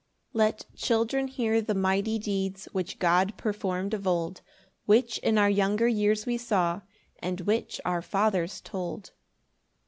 1 Let children hear the mighty deeds, Which God perform'd of old, Which in our younger years we saw, And which our fathers told.